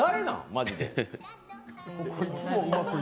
マジで。